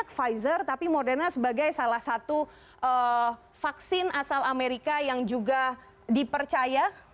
pfizer tapi moderna sebagai salah satu vaksin asal amerika yang juga dipercaya